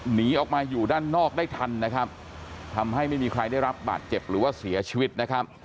หนีออกมาอยู่ด้านนอกได้ทันนะครับทำให้ไม่มีใครได้รับบาดเจ็บหรือว่าเสียชีวิตนะครับ